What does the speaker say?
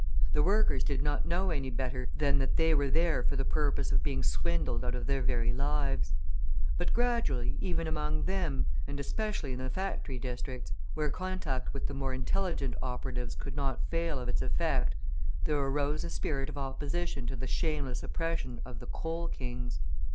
The workers did not know any better than that they were there for the purpose of being swindled out of their very lives. But gradually, even among them, and especially in the factory districts, where contact with the more intelligent operatives could not fail of its effect, there arose a spirit of opposition to the shameless oppression of the "coal kings."